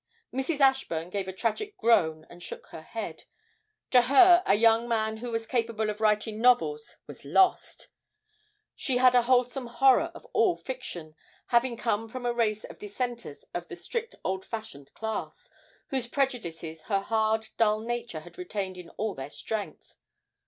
Mrs. Ashburn gave a tragic groan and shook her head: to her a young man who was capable of writing novels was lost; she had a wholesome horror of all fiction, having come from a race of Dissenters of the strict old fashioned class, whose prejudices her hard dull nature had retained in all their strength.